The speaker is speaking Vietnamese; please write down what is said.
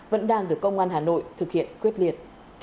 vẫn đang được công an hà nội thực hiện quyết liệt